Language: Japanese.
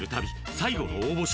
最後の応募者